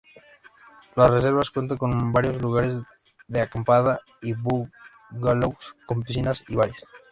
La reserva cuenta con varios lugares de acampada y bungalows, con piscinas y bares.